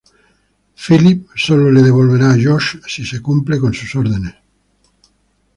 Phillip sólo le devolverá a Josh si cumple con sus órdenes.